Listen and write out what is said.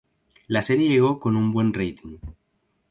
La serie llegó con un buen rating.